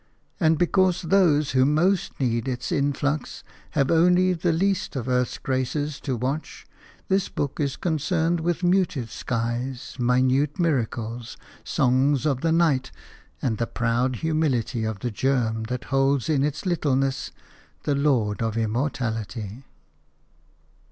And because those who most need its influx have only the least of earth's graces to watch, this book is concerned with muted skies, minute miracles, songs of the night, and the proud humility of the germ that holds in its littleness the Lord of Immortality.